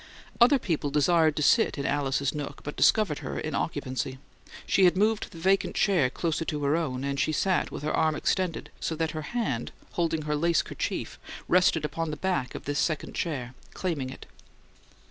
Other people desired to sit in Alice's nook, but discovered her in occupancy. She had moved the vacant chair closer to her own, and she sat with her arm extended so that her hand, holding her lace kerchief, rested upon the back of this second chair, claiming it.